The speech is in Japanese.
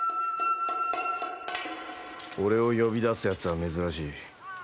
俺を呼び出すやつは珍しい。